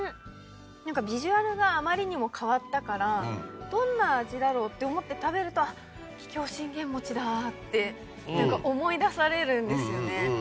何かビジュアルがあまりにも変わったからどんな味だろう？って思って食べるとあっ桔梗信玄餅だって何か思い出されるんですよね。